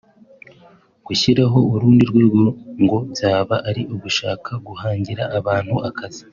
gushyiraho urundi rwego ngo byaba ari ugushaka guhangira abantu akazi